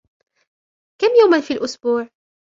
كم يومًا في الأسبوع ؟